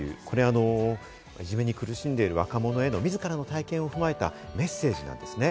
いじめに苦しんでいる若者への自らの体験を踏まえたメッセージなんですね。